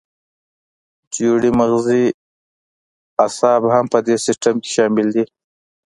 جوړې مغزي اعصاب هم په دې سیستم کې شامل دي.